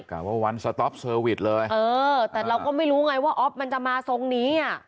กล่าวว่าวันสต๊อปเซอร์วิสเลยเออแต่เราก็ไม่รู้ไงว่าอ๊อฟมันจะมาทรงนี้อ่ะ